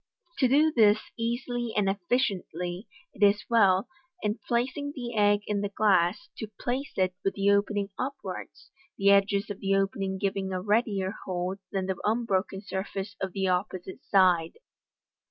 To do this easily and effectually, it is well, in placing the egg in the glass, to place it with the opening upwards, the edges of the opening giving a readier hold than the unbroken surface of the opposite side.